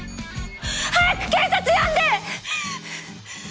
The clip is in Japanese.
早く警察呼んで！！